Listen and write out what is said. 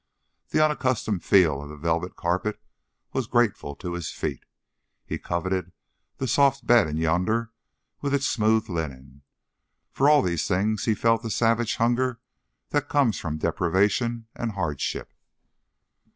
The unaccustomed feel of the velvet carpet was grateful to his feet; he coveted that soft bed in yonder with its smooth linen. For all these things he felt the savage hunger that comes of deprivation and hardship.